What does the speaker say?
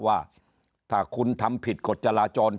ว่าถ้าคุณทำผิดกฎจราจร